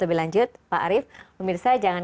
lebih lanjut pak arief pemirsa jangan